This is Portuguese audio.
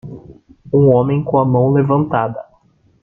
Um homem com a mão levantada.